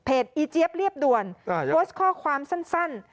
อีเจี๊ยบเรียบด่วนโพสต์ข้อความสั้น